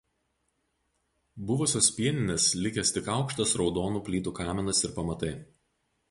Buvusios pieninės likęs tik aukštas raudonų plytų kaminas ir pamatai.